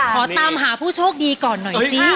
ขอตามหาผู้โชคดีก่อนหน่อยสิ